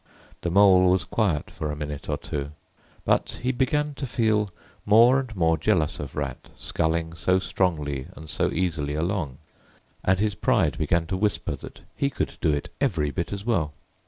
The Mole was quiet for a minute or two. But he began to feel more and more jealous of Rat, sculling so strongly and so easily along, and his pride began to whisper that he could do it every bit as well.